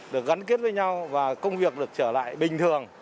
được gắn kết với nhau và công việc được trở lại bình thường